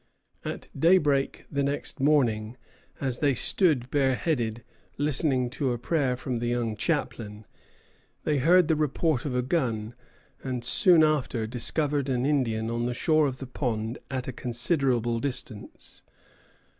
At daybreak the next morning, as they stood bareheaded, listening to a prayer from the young chaplain, they heard the report of a gun, and soon after discovered an Indian on the shore of the pond at a considerable distance.